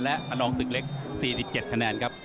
และขนองศึกเล็ก๔๗คะแนนครับ